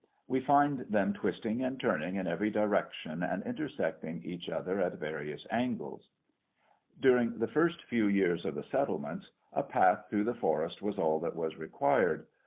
We find them twisting and turning in every direction and intersecting each other at various angles. During the first few years of the settlements a path through the forest was all that was required.